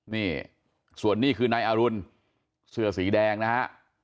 นี่ส่วนนี้คือนายอรุณเสื้อสีแดงนะฮะ